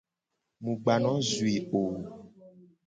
Mu gba no zui wo o.